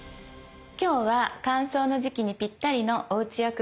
今日は乾燥の時期にぴったりのおうち薬膳です。